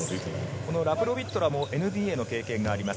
このラプロビットラもＮＢＡの経験があります。